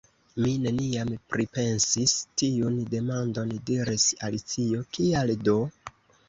"Mi neniam pripensis tiun demandon," diris Alicio. "Kial do?"